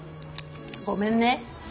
ごめんね。